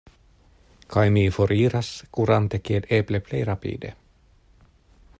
Kaj mi foriras, kurante kiel eble plej rapide.